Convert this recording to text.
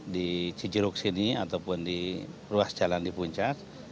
di cijeruk sini ataupun di ruas jalan di puncak